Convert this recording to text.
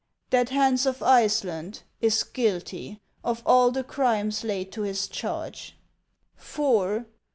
That Hans of Iceland is guilty of all the crimes laid to his charge ;" IV.